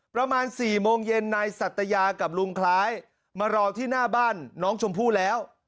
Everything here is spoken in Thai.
ประมาณ๔โมงเย็นนายสัตยากับลุงคล้ายมารอที่หน้าบ้านน้องชมพู่แล้ว